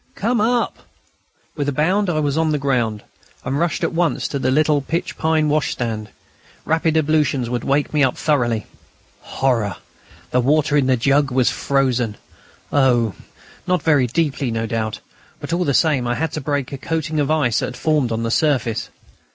"Come, up!" With a bound I was on the ground, and rushed at once to the little pitch pine washstand. Rapid ablutions would wake me up thoroughly. Horror! The water in the jug was frozen. Oh! not very deeply, no doubt; but all the same I had to break a coating of ice that had formed on the surface.